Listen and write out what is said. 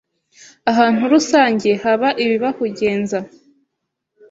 ahantu rusange haba ibibahugenza